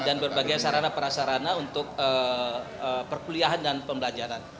dan berbagai sarana prasarana untuk perkuliahan dan pembelajaran